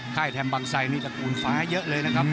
แถมบางไซนี่ตระกูลฟ้าเยอะเลยนะครับ